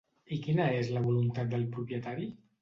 I quina és la voluntat del propietari?